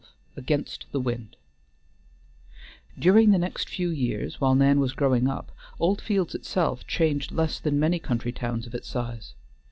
XII AGAINST THE WIND During the next few years, while Nan was growing up, Oldfields itself changed less than many country towns of its size.